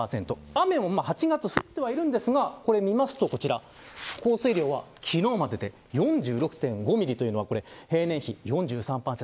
雨も８月、降ってはいるんですが降水量は昨日までで４６．５ミリというのは平年比４３％